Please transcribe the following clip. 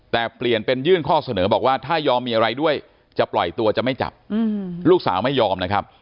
แต่เปลี่ยนเป็นยื่นข้อเสนอบอกว่าถ้ายอมมีอะไรด้วยจะปล่อยตัวจะไม่จับลูกสาวไม่ยอมนะครับ